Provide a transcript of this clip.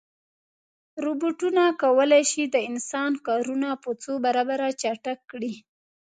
روبوټونه کولی شي د انسان کارونه په څو برابره چټک کړي.